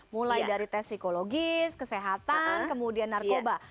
mulai dari tes psikologis kesehatan kemudian narkoba